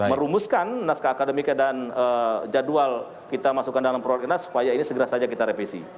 merumuskan naska akademika dan jadwal kita masukkan dalam program nasa supaya ini segera saja kita repesi